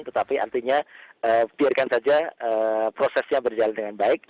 tetapi artinya biarkan saja prosesnya berjalan dengan baik